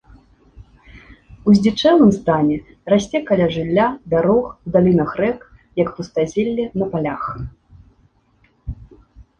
У здзічэлым стане расце каля жылля, дарог, у далінах рэк, як пустазелле на палях.